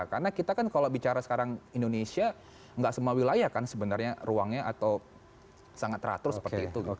karena kita kan kalau bicara sekarang indonesia nggak semua wilayah kan sebenarnya ruangnya atau sangat teratur seperti itu